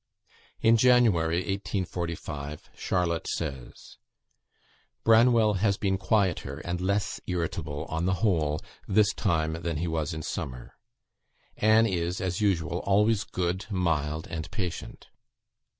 In January, 1845, Charlotte says: "Branwell has been quieter and less irritable, on the whole, this time than he was in summer. Anne is, as usual, always good, mild, and patient."